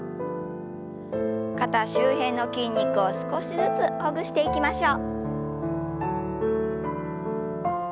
肩周辺の筋肉を少しずつほぐしていきましょう。